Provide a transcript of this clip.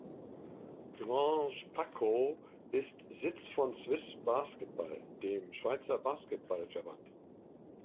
Granges-Paccot ist Sitz von Swiss Basketball, dem Schweizer Basketballverband.